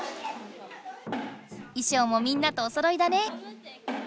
いしょうもみんなとおそろいだね！